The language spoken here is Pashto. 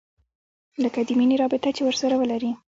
لکه د مينې رابطه چې ورسره ولري.